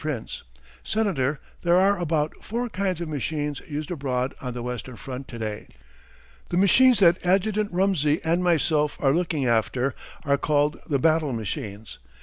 Prince_: Senator, there are about four kinds of machines used abroad on the western front to day. The machines that Adjt. Rumsey and myself are looking after are called the battle machines.